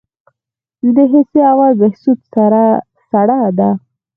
د حصه اول بهسود سړه ده